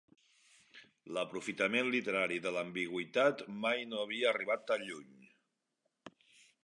L'aprofitament literari de l'ambigüitat mai no havia arribat tan lluny.